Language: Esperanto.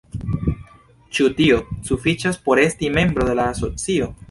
Ĉu tio sufiĉas por esti membro de la asocio?